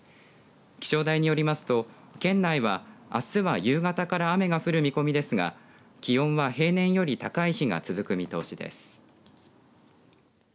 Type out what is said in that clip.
気象台によりますと県内はあすは夕方から雨が降る見込みですが気温は平年より高い日が続く見通しです。